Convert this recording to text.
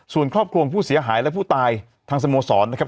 ส่วนครอบครัวผู้เสียหายและผู้ตายทางสโมสรนะครับ